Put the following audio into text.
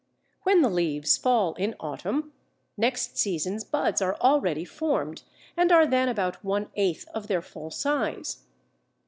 When the leaves fall in autumn, next season's buds are already formed and are then about one eighth of their full size.